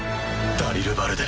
ダリルバルデ。